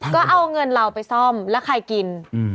ก็เอาเงินเราไปซ่อมแล้วใครกิน